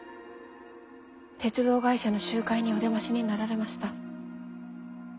鉄道会社の集会にお出ましになられました。